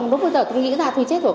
lúc bây giờ tôi nghĩ ra tôi chết rồi